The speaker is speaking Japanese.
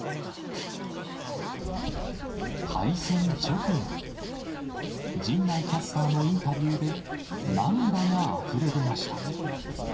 敗戦直後、陣内キャスターのインタビューで、涙があふれ出ました。